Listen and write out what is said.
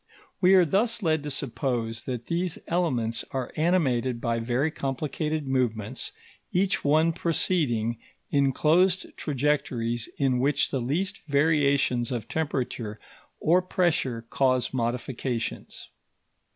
We are thus led to suppose that these elements are animated by very complicated movements, each one proceeding in closed trajectories in which the least variations of temperature or pressure cause modifications.